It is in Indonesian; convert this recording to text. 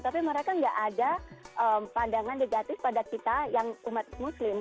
tapi mereka nggak ada pandangan negatif pada kita yang umat muslim